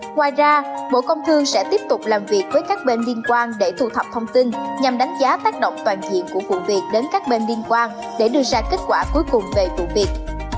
ngoài ra bộ công thương sẽ tiếp tục làm việc với các bên liên quan để thu thập thông tin nhằm đánh giá tác động toàn diện của vụ việc đến các bên liên quan để đưa ra kết quả cuối cùng về vụ việc